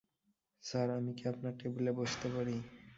Sir, আমি কি আপনার টেবিলে বসতে পারি?